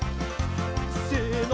せの！